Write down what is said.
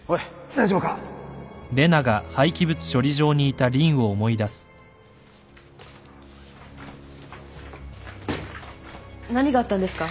大丈夫か？何があったんですか？